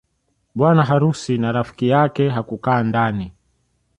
Bwana harusi na rafiki yake hukaa ndani